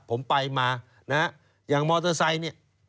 ผมไปมานะฮะอย่างมอเตอร์ไซค์เนี่ย